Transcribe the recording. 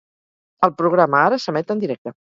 El programa ara s'emet en directe.